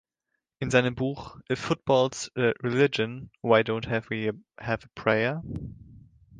In seinem Buch „If Football's a Religion, Why Don't Have We Have a Prayer?“